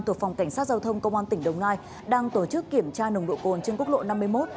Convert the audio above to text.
thuộc phòng cảnh sát giao thông công an tỉnh đồng nai đang tổ chức kiểm tra nồng độ cồn trên quốc lộ năm mươi một